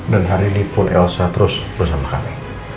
dan hari ini pun elsa terus bersama kami